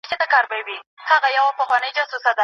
آیا ستاسو موبایل انټرنیټ ته وصل دی؟